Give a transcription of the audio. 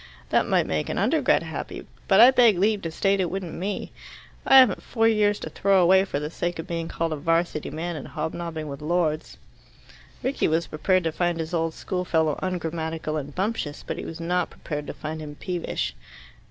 "That might make an Undergrad happy, but I beg leave to state it wouldn't me. I haven't four years to throw away for the sake of being called a 'Varsity man and hobnobbing with Lords." Rickie was prepared to find his old schoolfellow ungrammatical and bumptious, but he was not prepared to find him peevish.